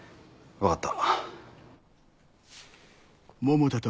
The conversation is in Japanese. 分かった。